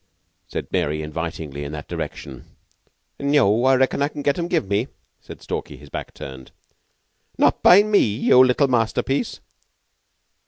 said Mary invitingly, in that direction. "Neu! Reckon I can get 'em give me," said Stalky, his back turned. "Not by me yeou little masterpiece!"